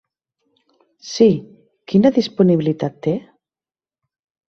Sí, quina disponibilitat té?